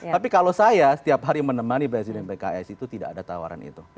tapi kalau saya setiap hari menemani presiden pks itu tidak ada tawaran itu